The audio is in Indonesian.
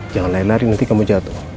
jangan lain lari nanti kamu jatuh